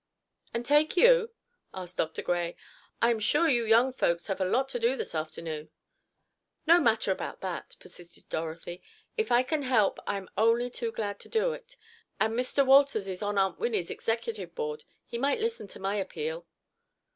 "And take you?" asked Dr. Gray. "I am sure you young folks have a lot to do this afternoon." "No matter about that," persisted Dorothy. "If I can help, I am only too glad to do it. And Mr. Wolters is on Aunt Winnie's executive board. He might listen to my appeal."